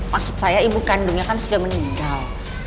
maksud saya ibu kandungnya kan sudah meninggal